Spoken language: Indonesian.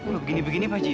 lu begini begini pak haji ya